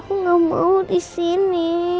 aku enggak mau disini